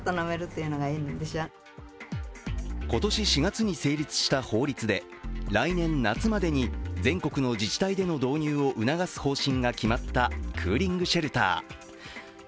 今年４月に成立した法律で来年夏までに、全国の自治体での導入を促す方針が決まったクーリングシェルター。